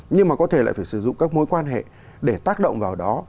nhưng mà có thể lại phải sử dụng các mối quan hệ để tác động vào đó